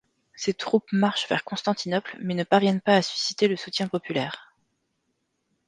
Ses troupes marchent vers Constantinople mais ne parviennent pas à susciter le soutien populaire.